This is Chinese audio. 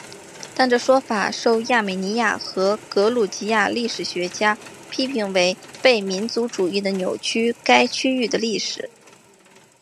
但这说法受亚美尼亚和格鲁吉亚历史学家批评为被民族主义的扭曲该区域的历史。